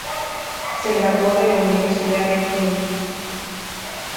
Se graduó de la Universidad de Queen.